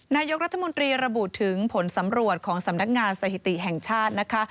นายกรัฐมนตรีระบุถึงผลสำรวจของสำนักงานสถิติแห่งชาตินะคะ